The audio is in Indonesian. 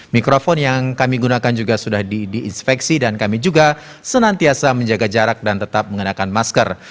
mikrofon yang kami gunakan juga sudah diinspeksi dan kami juga senantiasa menjaga jarak dan tetap mengenakan masker